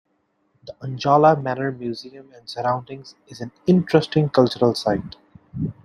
The Anjala Manor Museum and surroundings is an interesting cultural site.